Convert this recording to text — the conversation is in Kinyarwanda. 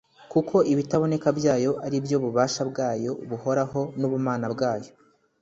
kuko ibitaboneka byayo ari byo bubasha bwayo buhoraho n’ubumana bwayo